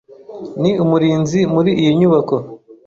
Ni umurinzi muri iyi nyubako.